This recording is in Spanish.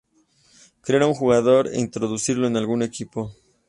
Crear un jugador e introducirlo en algún equipo.